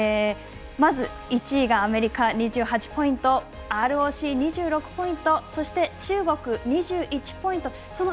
まず、１位がアメリカ２８ポイントＲＯＣ、２６ポイントそして中国、２１ポイント。